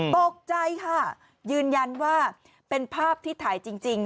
ตกใจค่ะยืนยันว่าเป็นภาพที่ถ่ายจริง